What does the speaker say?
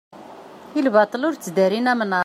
i lbaṭel ur tteddarin amnaṛ